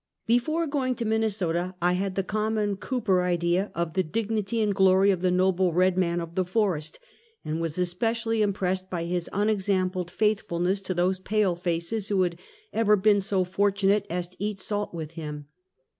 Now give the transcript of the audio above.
Before going to Minnesota, I liad the common Cooper idea of the dignity and glory of the noble red man of the forest; and was especially impressed by his unexampled faithfulness to those pale faces who had ever been so fortunate as to eat salt with him.